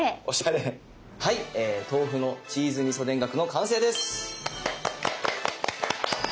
はい「豆腐のチーズみそ田楽」の完成です。